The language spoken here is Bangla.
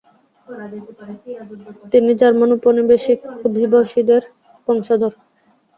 তিনি জার্মান উপনিবেশিক অভিবাসীদের বংশধর।